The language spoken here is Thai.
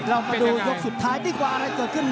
เรามาดูยกที่สุดท้ายด้วยป่ะอะไรเกิดขึ้น